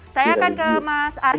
saya akan ke mas arsya